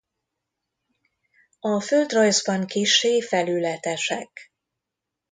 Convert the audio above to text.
A földrajzban kissé felületesek.